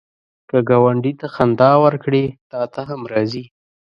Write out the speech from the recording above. که ګاونډي ته خندا ورکړې، تا ته هم راځي